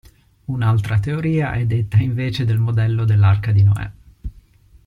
Un'altra teoria è detta invece del modello dell'arca di Noè.